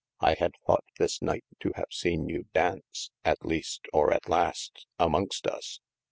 I hadde thought this night to have seene you daunce (at least or at last) amongst us